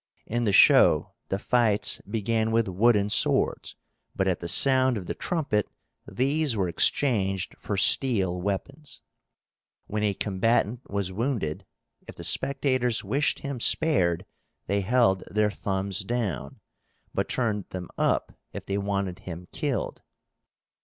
In the show the fights began with wooden swords, but at the sound of the trumpet these were exchanged for steel weapons. When a combatant was wounded, if the spectators wished him spared, they held their thumbs down, but turned them up if they wanted him killed.